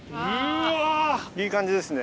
いい感じですね。